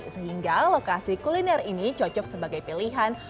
sehingga lokasi kuliner ini cocok sebagai pilihan